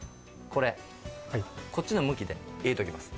これこっちの向きで入れときます